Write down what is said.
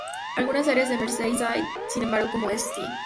Algunas áreas de Merseyside, sin embargo, como St.